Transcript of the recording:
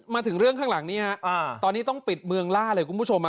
มาถึงเรื่องข้างหลังนี้ฮะตอนนี้ต้องปิดเมืองล่าเลยคุณผู้ชม